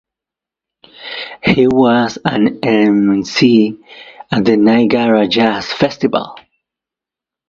He was an emcee at the Niagara Jazz Festival.